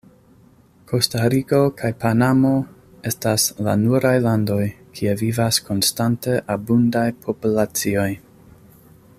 Kostariko kaj Panamo estas la nuraj landoj, kie vivas konstante abundaj populacioj.